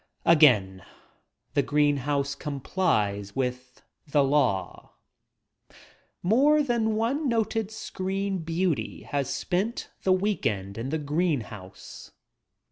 Again the green house complies with the law. More than one noted screen beauty has spent the week end in the green house.